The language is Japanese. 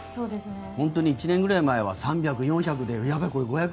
本当に１年ぐらい前は３００、４００ぐらいでやばいこれ５００